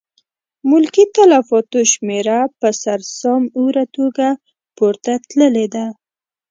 ملکي تلفاتو شمېره په سر سام اوره توګه پورته تللې ده.